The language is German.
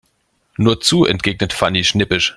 Nur zu, entgegnet Fanny schnippisch.